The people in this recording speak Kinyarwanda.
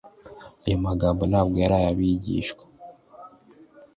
Ayo magambo ntabwo yari ay'abigishwa